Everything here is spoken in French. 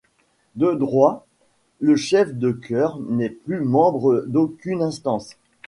De droit, le chef de chœur n'est plus membre d'aucune instance.